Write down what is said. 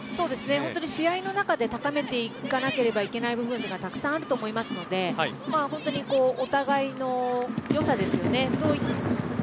本当に試合の中で高めていかなければいけない部分がたくさんあると思いますので本当にお互いの良さですよね。